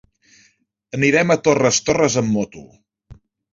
Anirem a Torres Torres amb moto.